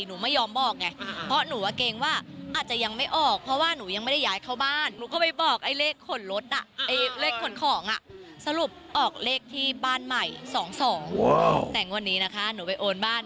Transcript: หนูไม่ยอมบอกไงเพราะหนูว่าเกรงว่า